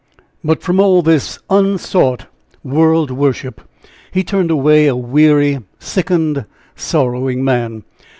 But from all this unsought world worship he turned away a weary, sickened, sorrowing man.